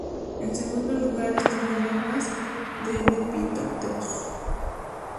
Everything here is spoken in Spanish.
En segundo lugar, están las larvas de lepidópteros.